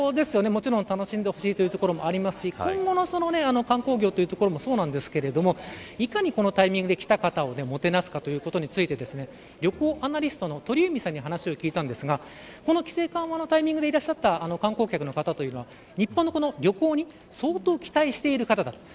もちろん楽しんでほしいというところもありますし今後の観光業というところもそうなんですけれどいかに、このタイミングでもてなすかということについて旅行アナリストの鳥海さんに話を聞いたんですがこの規制緩和のタイミングでいらっしゃった観光客の方というのは日本の旅行に相当期待している方だ。